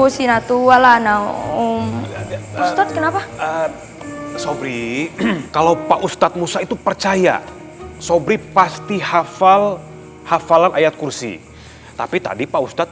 sobring kalau pak ustadz musa itu percaya sobring pasti hafal hafalan ayat kursi tapi tadi pak ustadz